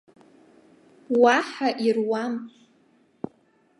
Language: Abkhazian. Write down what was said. Уаҳа ируам!